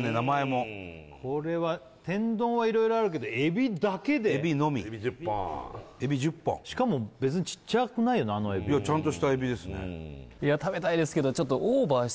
名前もこれは天丼は色々あるけどえびだけでえびのみえび１０本しかも別にちっちゃくないよなあのえびいやちゃんとしたえびですねいやヤバいよああ